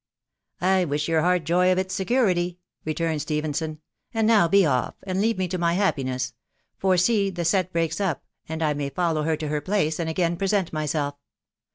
" I wish your heart joy of its security/' returned Stephen son. " And now be off, and leave me to my happiness ; for see, the set breaks up, and I may follow her to her place, and again present myself.